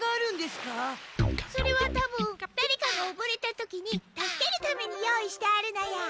それはたぶんだれかがおぼれた時に助けるために用意してあるのよ。